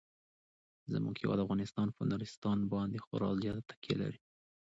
زموږ هیواد افغانستان په نورستان باندې خورا زیاته تکیه لري.